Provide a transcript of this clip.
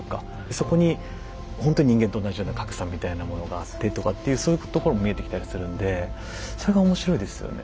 そこにほんと人間と同じような格差みたいなものがあってとかっていうそういうところも見えてきたりするんでそれが面白いですよね。